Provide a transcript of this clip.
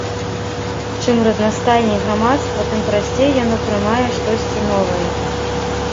Чым разнастайней грамадства, тым прасцей яно прымае штосьці новае.